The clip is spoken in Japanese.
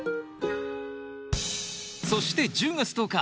そして１０月１０日